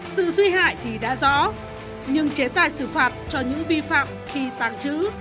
sự duy hại thì đã rõ nhưng chế tài xử phạt cho những vi phạm khi tàng trữ